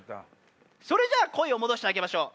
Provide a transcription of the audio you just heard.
それじゃあ声を戻してあげましょう。